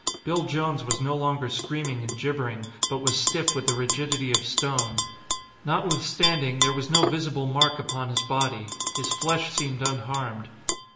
Bill Jones was no longer screaming and gibbering, but was stiff with the rigidity of stone. Notwithstanding, there was no visible mark upon his body; his flesh seemed unharmed.